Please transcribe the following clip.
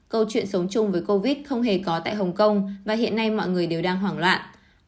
câu chuyện sống chung với covid không hề có tại hồng kông và hiện nay mọi người đều đang hoảng loạn